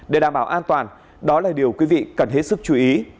để đảm bảo an toàn đó là điều quý vị cần hết sức chú ý